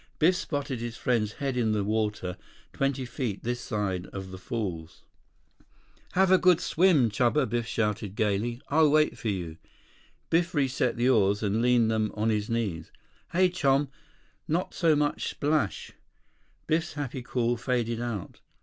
Biff spotted his friend's head in the water twenty feet this side of the falls. 98 100 "Have a good swim, Chuba," Biff shouted gaily. "I'll wait for you." Biff reset the oars and leaned them on his knees. "Hey, chum, not so much splash—" Biff's happy call faded out.